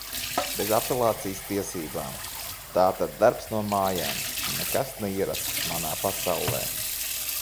Bez apelācijas tiesībām. Tātad darbs no mājām – nekas neierasts manā pasaulē.